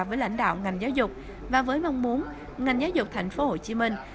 với lãnh đạo ngành giáo dục và với mong muốn ngành giáo dục thành phố hồ chí minh